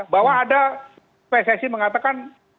bahwa ada pssi mengatakan